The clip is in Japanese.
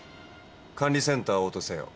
管理センター応答せよ。